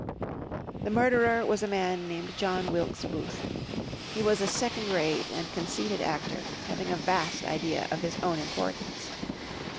The murderer was a man named John Wilkes Booth. He was a second rate and conceited actor having a vast idea of his own importance.